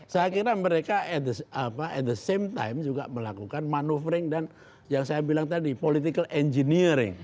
saya kira mereka at the same time juga melakukan manuvering dan yang saya bilang tadi political engineering